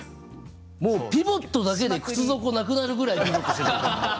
もうピボットだけで靴底なくなるぐらいピボットしてる。